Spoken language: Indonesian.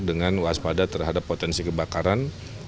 dengan waspada terhadap potensi kebakaran